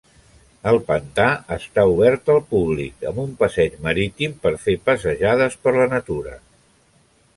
El pantà està obert al públic amb un passeig marítim per fer passejades per la natura.